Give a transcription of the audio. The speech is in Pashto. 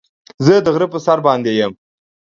زه د غره په سر باندې يم.